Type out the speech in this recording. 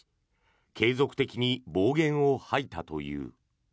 継続的に暴言を吐いたという。